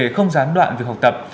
không gián đoạn về học tập